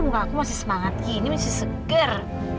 lihat aja muka aku masih semangat gini masih seger